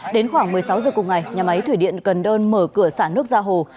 đến khoảng một mươi sáu giờ cùng ngày nhà máy thủy điện cần đơn mở cửa xã nước ra hồ